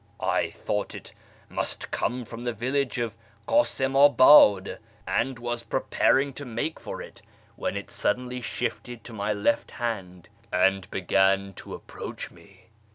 I thought it must come from the village of Kasimabad, and was preparing to make for it, when it suddenly shifted to my left hand and began to approach me.